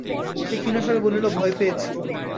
সে ক্ষীণ স্বরে বলল, ভয় পেয়েছি।